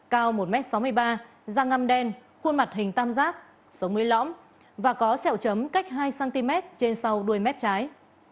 cao một m sáu mươi ba da ngăm đen khuôn mặt hình tam giác số một mươi lõm và có sẹo chấm cách hai cm trên sau đuôi mét trái